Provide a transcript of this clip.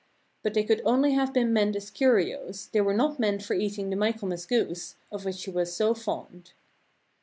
But they could only have been meant as curios ; they were not meant for eating the Michaelmas goose, of which she was so fond.